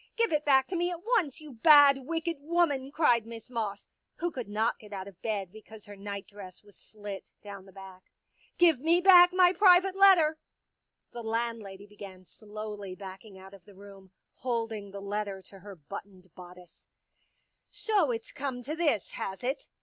Give it back to me at once, you bad, wicked woman," cried Miss Moss, who could not get out of bed because her night dress was slit down the back. Give me back my Pictures _ private letter." The landlady began slowly backing out of the room, holding the letter to her buttoned bodice. " So it's come to this, has it